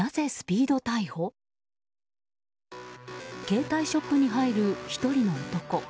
携帯ショップに入る１人の男。